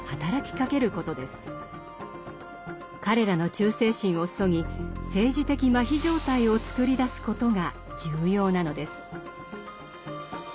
彼らの忠誠心をそぎ政治的麻痺状態をつくり出すことが重要なのです。